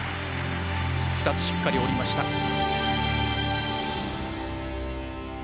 ２つしっかり降りました。